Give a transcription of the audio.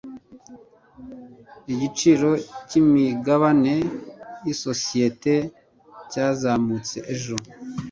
Igiciro cyimigabane yisosiyete cyazamutse ejo.